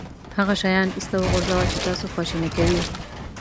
هغه شیان ایسته وغورځوه چې تاسو خواشینی کوي.